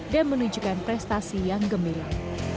dan menunjukkan prestasi yang gemilang